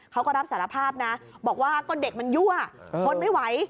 เขาก็รับสารภาพนะบอกว่าก็เด็กมันยั่วทนไม่ไหว